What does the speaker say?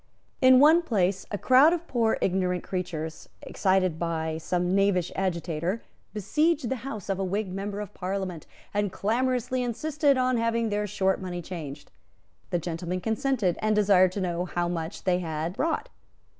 In one place a crowd of poor ignorant creatures, excited by some knavish agitator, besieged the house of a Whig member of Parliament, and clamorously insisted on having their short money changed. The gentleman consented, and desired to know how much they had brought.